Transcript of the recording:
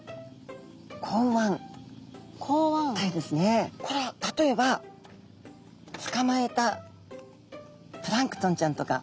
これは例えばつかまえたプランクトンちゃんとか。